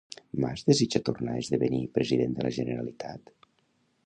Mas desitja tornar a esdevenir president de la Generalitat?